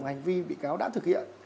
hành vi bị cáo đã thực hiện